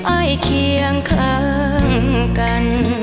ไอ้เคียงข้างกัน